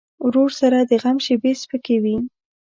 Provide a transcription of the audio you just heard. ورور سره د غم شیبې سپکې وي.